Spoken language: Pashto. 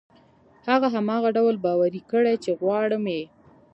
هغه هماغه ډول باوري کړئ چې غواړي يې.